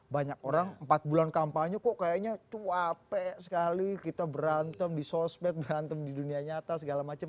banyak orang empat bulan kampanye kok kayaknya tuape sekali kita berantem di sosmed berantem di dunia nyata segala macam